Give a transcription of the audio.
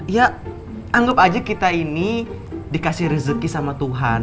ya anggap aja kita ini dikasih rezeki sama tuhan